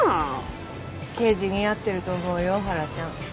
刑事似合ってると思うよハラちゃん。